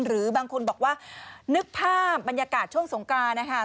หรือบางคนบอกว่านึกภาพบรรยากาศช่วงสงกรานนะคะ